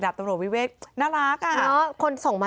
หลังจากปลอมตัวเป็นผู้หญิงแล้วก็จับคนร้ายได้